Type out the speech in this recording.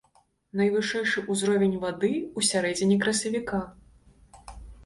Найвышэйшы ўзровень вады ў сярэдзіне красавіка.